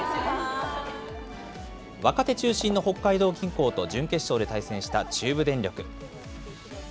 若手中心の北海道銀行と準決勝で対戦した中部電力。